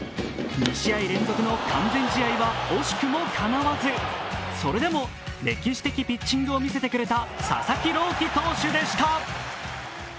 ２試合連続の完全試合は惜しくもかなわずそれでも歴史的ピッチングを見せてくれた佐々木朗希投手でした。